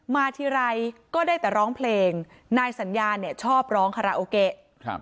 มาทีไรก็ได้แต่ร้องเพลงนายสัญญาชอบร้องคาราโอเกะ